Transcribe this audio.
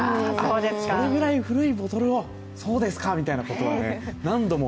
それぐらい古いボトルをそうですか、みたいなことは何度も。